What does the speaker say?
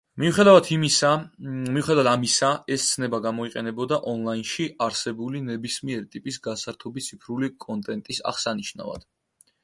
მიუხედავად ამისა, ეს ცნება გამოიყენებოდა ონლაინში არსებული ნებისმიერი ტიპის გასართობი ციფრული კონტენტის აღსანიშნავად.